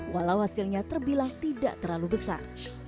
walau hasilnya terbilang tidak terlalu besar